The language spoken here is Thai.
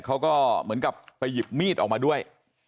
เขาก็เหมือนกับไปหยิบมีดออกมาด้วย